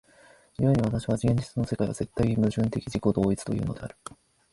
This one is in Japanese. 故に私は現実の世界は絶対矛盾的自己同一というのである。